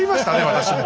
私も。